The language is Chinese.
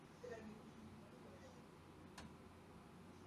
僧侣鞋是商务场所正式度第二高的正装皮鞋。